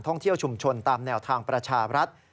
ท่องเที่ยวชุมชนตามแนวทางประชาบรัฐ